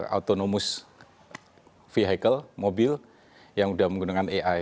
autonomous vehicle mobil yang sudah menggunakan ai